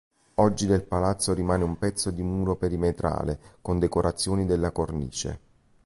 Oggi del palazzo rimane un pezzo di muro perimetrale con decorazioni della cornice.